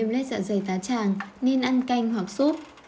nếu bệnh viêm lết dạ dày tá tràng nên ăn canh hoặc súp